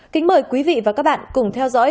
kính mời quý vị và các bạn cùng theo dõi